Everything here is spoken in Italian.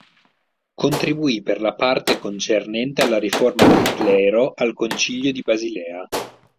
Contibuì per la parte concernente alla riforma del clero al Concilio di Basilea.